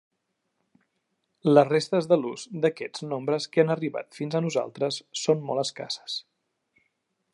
Les restes de l'ús d'aquests nombres que han arribat fins a nosaltres són molt escasses.